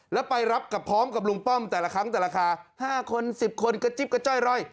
แล้วไปรับกับพร้อมกับลุงป้อมแต่ละครั้งแต่ราคา๕คน๑๐คนกระจิ๊บกระจ้อยร่อย